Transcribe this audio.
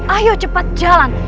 ayo cepat jalan